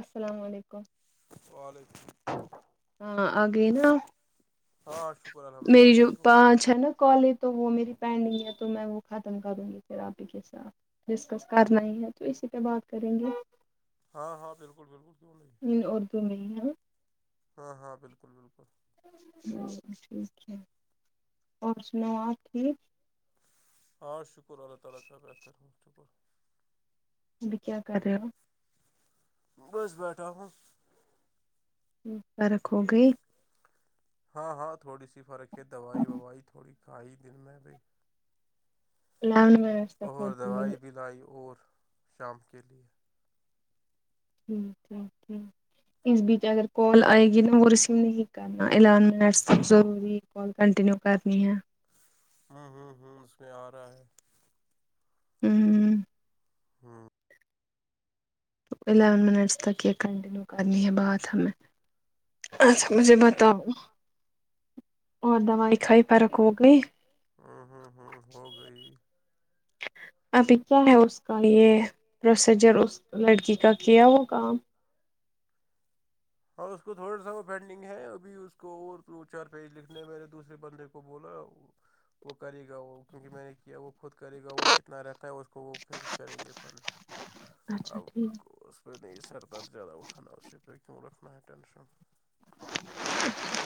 السلام وعلیکم والیکم ہاں آ گئی نا میری جو پانچ ہے نا کال ہے تو وہ میری پینڈنگ ہے تو میں وہ ختم کروں گی پھر آپ ہی کے ساتھ ڈسکس کرنا ہی ہے تو اسی پہ بات کریں گے ہاں ہاں بالکل بالکل کیوں نہیں اردو میں ہی ہیں ہاں ہاں بالکل بالکل میں بھی ٹھیک ہے اور سناو آپ ٹھیک ہاں شکر اللہ تعالی کا بہتر ہو شکر ابھی کیا کر رہے ہو بس بیٹھا ہو ہوں فرق ہو گئی ہاں ہاں تھوڑی سی فرق ہے دوائی وائی تھوڑی کھائی دن میں بھی اور دوائی بھی لائی اور شام کے لیئے اس بی اکئر کال آئے گی نا وہ ریسیو نہیں کر رہ الیون منٹس تک ضروری ہے کال کنٹینیو کرنی ہے ہاں وہ وہ اس پے آرہا ہے ہوں ہاں الیون منٹس تک یہ کنٹینیو کرنی ہے بات ہمیں اچھا مجھے بتاؤ اور دوائی کھای فرق ہوگئی ہوں ہوں ہوں ہو گئی ابھی کیا ہے اس کا یہ پروسیجر اس لڑکی کا کیا وہ کام اوراں اس کو تھوڑا سا وہ پینڈنگ ہے ابھی اس کو دو چار پیج لکھنے میرے دوسرے بندے کو بولا وہ کرے گا وہ کیونکہ میں نے کیا وہ خود کرے گا وہ کتنا رہتا ہے اس کو وہ فنش کریں گے اپن اب اس پہ نہیں سر درد زیادہ اٹھا نا اسی پہ کیوں رکھنا ہے ٹینشن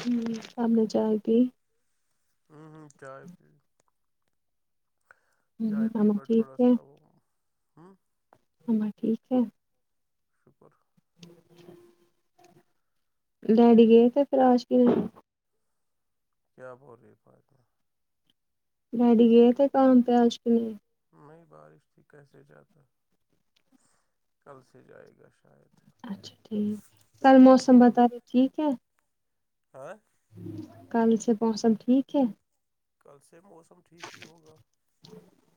ہم اپنے چائے پی ہم ہم چائے پی چائے پی پر تھوڑا سا وہ ہوں مما ٹھیک ہے خود پر لیڈی گئے تھے پھر آج کی کیا بول رہی ہے فاطمہ ڈیڈی گئے تھے کام کاج کے لیے نہیں بارش تھی کیسے جاتا کل سے جائے گا شاید اچھا ٹھیک کل موسم بتا رہے ٹھیک ہے ہاں کل سے موسم ٹھیک ہے کل سے موسم ٹھیک ہی ہوگا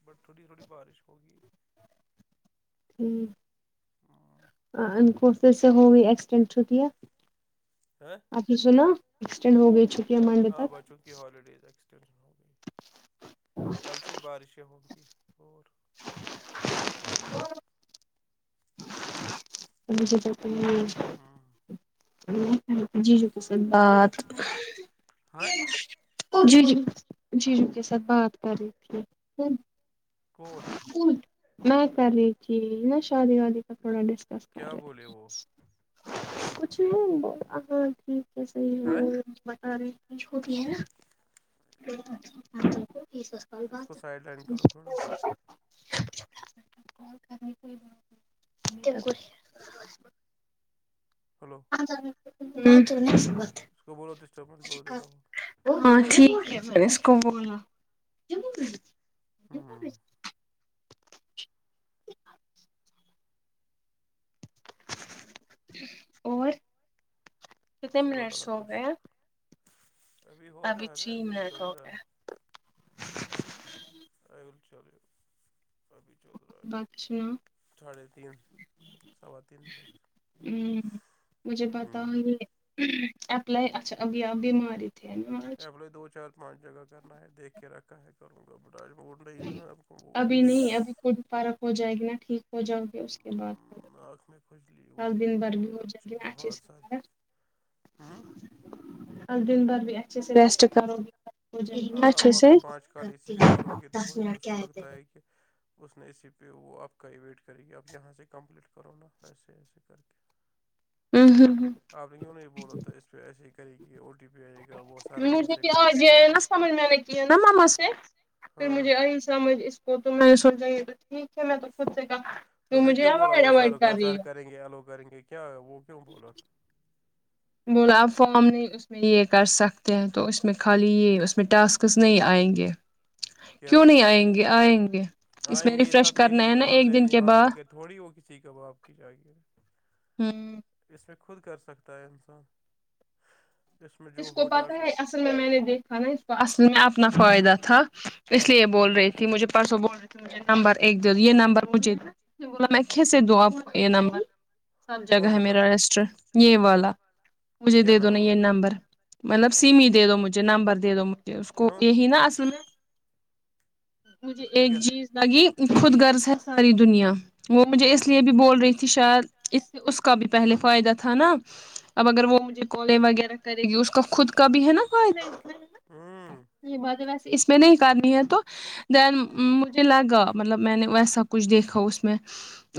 بٹ تھوڑی تھوڑی بارش ہوگی ہوں ہاں آ ان کو پھر سے ہوی ایکسٹینڈ چھٹیاں ہاں آپ نے سنا ایکسٹینڈ ہوگئی چھ ہاں بچوں کی ہالیڈیز ایکسٹینشن ہو گئی کل اس بارشیں ہو کیی اور [unintelligible] جی جو کے ساتھ بات جی جو جی جو کے ساتھ بات کر رہی تھی میں کر رہی تھی نہ شادی وادی تھوڑا ڈسکس کر رہے تھے کچھ نہیں [unintelligible] سحیح ہے وہ بٹر بھی ہے نا [unintelligible] [unintelligible] بات [unintelligible] [unintelligible] وہ ہاں ٹھیک ہے اس کو بولا ہاں اور کتنے منٹس ہو گئے ابھی چھ منٹ ہو گئے اور چلو ابھی چل رہا ہے ساڑھے تین امم مجھے پتہ ہے وہی اپلائی اچھا ابھی آپ بھی بیمار ہے ایپلائی دو چار پانچ جگہ کرنا ہے دیکھ کے رکھا ہے کرونگا بٹ آج وہ ایپلاںی ادھر آپکو وہ اسس میں بھی فارغ ہوجائے گی نا ٹھیک ہو جاؤ گی نہ اس کے بعد آنکھ میں کھجلی وجلی ہو راچی بہت ساری امم اب دن بھر بھی اچھے سے ریسٹ کرو ہاں اب ابھی پانچ کال ایسی بھی کرو گی تو ہو جائے اس کو لگتا ہے کہ اس نے ا سی پہ وہ آپ کا ہی ویٹ کرے گی آپ یہاں سے کمپلیٹ کرو نا ایسے ایسے کر کے اوہوں آپ انہیں بولا تھا اس پہ ایسے ہی کریں گی او ٹی پی میں آیے گا وہ مجھے بھی آج یہ نہ سوال میں نے کیا نہ مما سے پھر مجھے آئی سمجھ اس تو پھر میں نے سوچا یہ تو ٹھیک ہے میں تو خود سے کہا تو مجھے اوائڈ اوائڈ کر رہی ہے گے ایلو کریں گے کیا وہ کیوں بولا تھا موڈآف فارم نہیں اس میں یہ کر سکتے ہیں تو اس میں خالی یہ اس میں ٹاسکس نہیں آئیں گے کیوں نہیں آئیں گے آئیں گے اس میں ریفریش کرنا ہے نا ایک دن کے بعد تھوڑی وہ کسی کا باپ کی جاگیر ہے امم اس میں خود کر سکتا ہے انسان اس کو پتہ ہے اصل میں میں نے دیکھا نہ اس تو اصل میں اپنا فائدہ تھا اس لیے بول رہی تھی مجھے پرسوں بول رہی تھی مجھے نمبر ایک دیو نمبر مجھے بولا میں کیسے دوں آپ کو یہ نمبر سب جگہ ہے میرا ریسٹورنٹ یہ والا مجھے دے دو نا یہ نمبر مطلب سیم ہی دے دو مجھے نمبر دے دو مجھے اس کو یہی نا اصل میں [unintelligible] مجھے ایک چیز لگی خود غرض ہے ساری دنیا وہ مجھے اس لیے بھی بول رہی تھی شاید اس اس کا بھی پہلے فائدہ تھا نا اب اگر وہ مجھے کولے وغیرہ کرے گی اس کا خود کا بھی ہے نا فائدہ اس میں نہیں بات ویسے اس میں نہیں کرنی ہے تو دین مجھے لگا مطلب میں نے ویسا کچھ دیکھا اس میں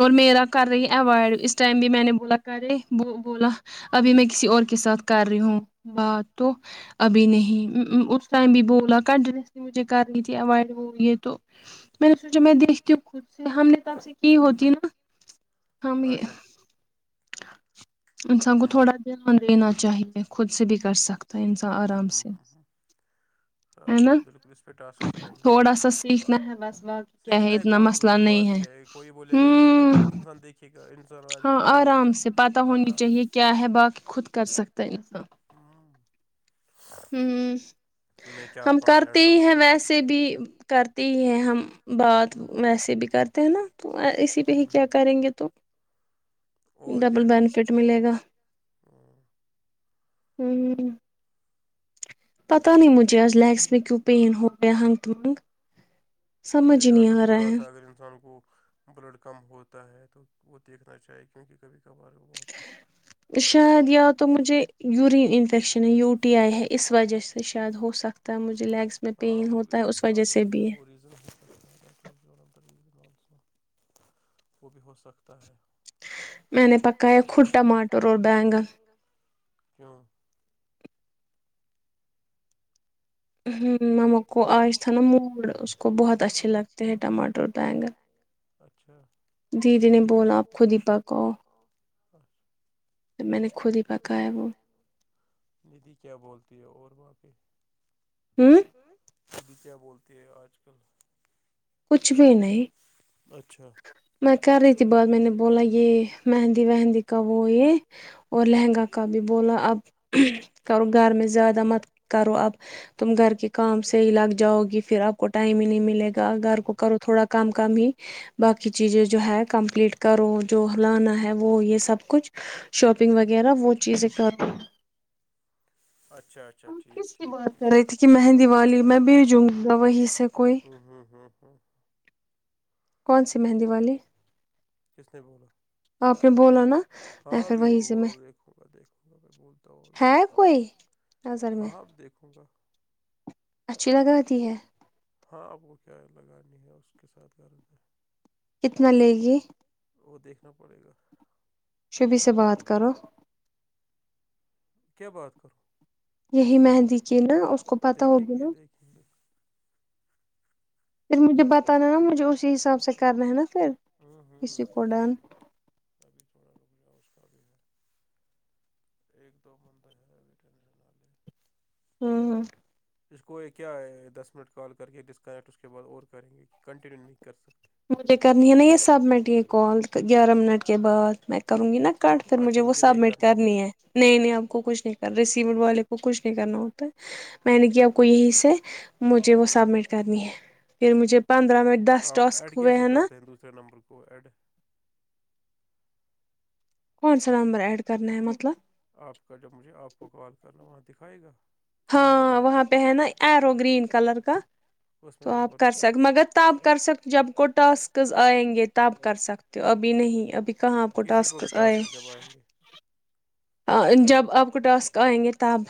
اور میرا کر رہی ہے اوائڈ اس ٹائم بھی میں نے بولا کرے بو بولا ابھی میں کسی اور کے ساتھ کر رہی ہوں بات تو ابھی نہیں اس ٹائم بھی بولا کنٹینیوسلی مجھے کرنی تھی اوائڈ وہ یہ تو میں نے سوچا میں دیکھتی ہوں خود سے ہم نے پرسوں کی ہوتی نا ہم یہ انسان کو تھوڑا دھیان دینا چاہیے خود سے بھی کر سکتا ہے انسان آرام سے ہے نا تھوڑا سا سیکھنا ہے بس باقی کیا ہے اتنا مس نہیں ہے ہوں ہاں آرام سے پتا ہونی چاہیے کہ کیا ہے باقی خود کر سکتا ہے انسان ہاں ہوں ہم کرتے ہی ہیں ویسے بھی کرتے ہی ہیں ہم بات ویسے بھی کرتے ہیں نا تو اسی پہ ہی کیا کریں گے تو ڈبل بینیفٹ ملے گا ہوں پتہ نہیں مجھے آج لیگس میں کیوں پین ہو گیا [unintelligible] ہمم ڈاکٹر بول رہا تھا اگر انسان کو بلڈ کم ہوتا ہے تو وہ دیکھنا چاہے کیونکہ کبھی کبھار شاید یا تو مجھے یورین انفیکشن ہے یو ٹی آئی ہے اس وجہ سے شاید ہو سکتا ہے مجھے لیگس ہاں وہ بھی ایک آرٹ ہے وہ [unintelligible] وہ بھی ہو سکتا ہے میں نے پکایا ہے خود ٹماٹر اور بیگن کیوں ہوں ماما کو آج تھا نا موڑ اس کو بہت اچھے لگتے ہیں ٹماٹر اور بیگن اچھا دیدی نے بولا آپ خود ہی پکاؤ میں نے خود ہی پکایا وہ دیدی کیا بولتی ہو اور وہاں پہ ہوں ابھی کیا بولتے ہے آج کل کچھ بھی نہیں میں کر رہی تھی بعد میں نے بولا یہ مہندی مہندی کا وہ یہ اور لہنگا کا بھی بولنا اب کرو گھر میں زیادہ مت کرو اب تم گھر کے کام سے ہی لگ جاؤ گی پھر آپ کو ٹائم ہی نہیں ملے گا گھر کو کرو تھوڑا کم کم ہی باقی چیزیں جو ہے کمپلیٹ کرو جو ہلانا ہے وہ یہ سب کچھ شاپنگ وغیرہ وہ چیزیں کرو اچھا اچھا ٹھیک ٹھیک ٹھ رہی تھی کہ مہندی والی میں بھیجوں گا وہیں سے ہوں ہمم ہمم ہمم کون سی مہندی والی کس نے بولا آپ نے بولا نا ہاں بھی وہ وہ دیکھوگا دیکھوگا میں بولتا ہوں ابھی اپ ہاں ہاں اب دیکھوں گا اچھی لگاتی ہے ہاں آپ کو کیا لگانی ہے اس کے ساتھ گھر پہ کتنا لے گی وہ دیکھنا پڑے گا شبی سے بات کرو کیا بات کرو یہی مہندی کی نا اس کو پتہ ہوگی نہ ٹھیک پھر مجھے بتانا ہے نا مجھے اسی حساب سے کرنا ہے نا پھر ہوں ہوں دیکھیں گے وہ ابھی تھوڑا رک جاؤ اس کا بھی میں ایک دو بندے ہیں ابھی ٹینشن والے ہوں اس کو کیا دس منٹ کال کر کے ڈسکنیکٹ اس کے بعد اور کریں گے کہ کنٹینیو نہیں کر سکتے مجھے کرنی ہے نا یہ سبمٹ یہ کال گیارہ منٹ کے بعد میں کروں گی نا کٹ پھر مجھے وہ سبمٹ کرنی ہے نہیں نہیں آپ کو کچھ نہیں کر ریسیور والے کو کچھ نہیں کرنا ہوتا میں نے کیا آپ کو یہی مجھے وہ سبمٹ کرنی ہے پھر مجھے پندرہ منٹ دس ٹاسک ایڈ کیسے کرتے ہیں دوسرے نمبر کو ایڈ کون سا نمبر ایڈ کرنا ہے مطلب آپ کا جو مجھے آپ کو کال کرنا وہاں دکھائے گا ہاں وہاں پہ ہے نا ایرو گرین کلر کا تو آپ کر سک مگر تو آپ کر سکتے جب کو ٹاسکز آئیں گے تب کر سکتے ہو ابھی نہیں ابھی کہاں آپکو ٹسکس آئئے جب آپ کو ٹاسک آئیں گے تب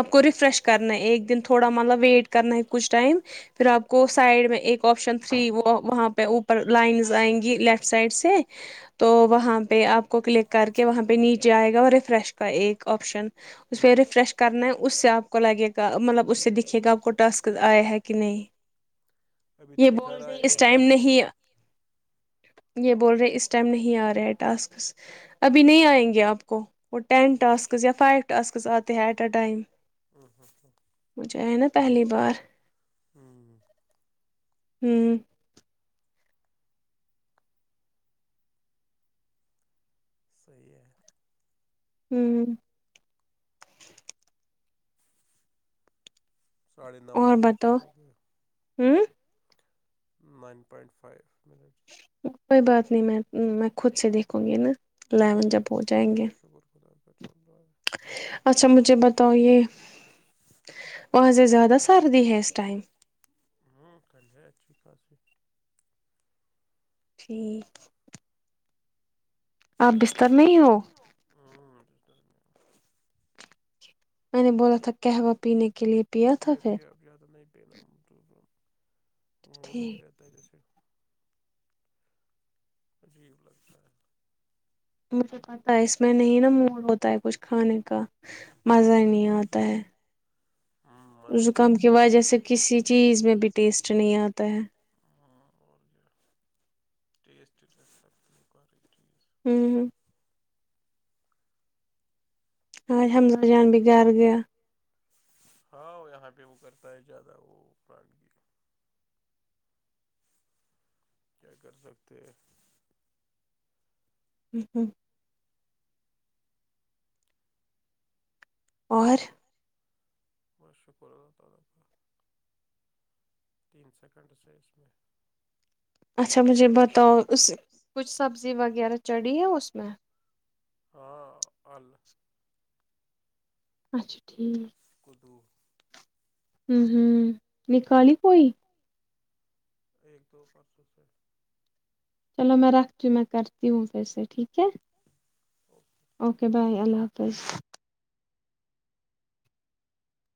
آپ کو ریفریش کرنا ایک دن تھوڑا مطلب ویٹ کرنا کچھ ٹائم پھر آپ کو سائڈ میں ایک آپشن تھری وہ وہاں پہ اوپر لائنز آئیں گی لیفٹ سائڈ سے تو وہاں پہ آپ کو کلک کر کے وہاں پہ نیچے آئے گا اور فریش کا ایک آپشن اس پہ ریفریش کرنا ہے اس سے آپ کو لگے گا مطلب اس سے دکھھیے گا آپ کو ٹاسک آیا ہے کہ نہیں یہ بول دیں اس ٹائم نہیں یہ بول رہے اس ٹائم نہیں آ رہا ہے ٹاسکس ابھی نہیں آئیں گے آپ کو وہ ٹین ٹاسکس یا فائیو ٹاسکس آتے ہیں ایٹ اے ٹائم مجھے آئے نا پہلی بار ہوں ہوں صیح ہے ہوں ساڑھے نو منٹس ہو گئے ہوں نائن پوائنٹ فائیو منٹ کوئی بات نہیں میں میں خود سے دیکھوں گی نا لیوان جب ہو جائیں گے شکر خداہ [unintelligible] اچھا مجھے بتاؤ یہ وہا زیادہ سردی ہے اس ائم ہوں ٹھنڈ ہے اچھی خا سی ٹھیک اپ بستر میں ہی ہو ہاں بستر میں ہو میں نے بولا تھا کہوا پینے کے لیے پ پ آپ جیادہ نہیں پین م نہیں رہتا [unintelligible] س [unintelligible] ے عجیب لگتا ہے مجھے پتا ہے اس میں نہیں نا موڈ ہوتا ہے کچھ کھانے کا مزہ نہیں آتا ہے ہوں من نہیں لگ را زوخم کی وجہ سے کسی چیز میں بھی ٹیسٹ نہیں آتا ہے اور جو ٹیسٹ [unintelligible] چیز ہوں ہمم آج حمزا جان بھی گھر گ ہاں یہاں پہ وہ کرتا ہے زیادہ وہ پران کی کیا کر سکتے ہیں ہمم ہوں اور بس شکر اللہ تعالی کا تین سیکنڈس اس میں اچھا مجھے بتاؤ اس کچھ سبزی وغیرہ چڑھی ہے اس میں ہاں اللہ اچھا ٹھیک کدو ہوں ہوں نکالی کوئی ایک دو پرسوں سے چلو میں رکھتی ہوں میں کرتی ہوں پھر سے ٹھیک کیااوکے بائے اللہ حافظ